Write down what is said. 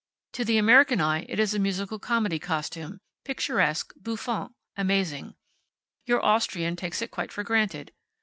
To the American eye it is a musical comedy costume, picturesque, bouffant, amazing. Your Austrian takes it quite for granted.